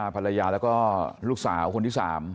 ภรรยาแล้วก็ลูกสาวคนที่๓